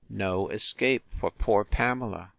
—no escape for poor Pamela!